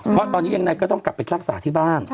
เพราะตอนนี้ยังไงก็ต้องกลับไปรักษาที่บ้าน